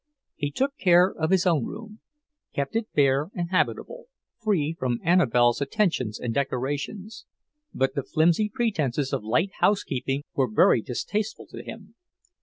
He took care of his own room; kept it bare and habitable, free from Annabelle's attentions and decorations. But the flimsy pretences of light housekeeping were very distasteful to him.